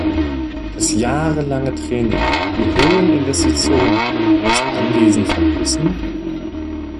Das jahrelange Training, die hohen Investitionen und das Anlesen von Wissen?